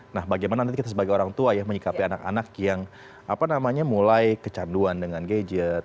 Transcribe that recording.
nah bagaimana nanti kita sebagai orang tua ya menyikapi anak anak yang mulai kecanduan dengan gadget